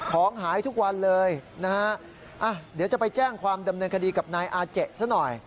ของหายทุกวันเลยนะฮะเดี๋ยวจะไปแจ้งความดำเนินคดีกับนายอาเจซะหน่อย